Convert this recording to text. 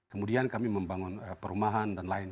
kemudian kami membangun perumahan dan lain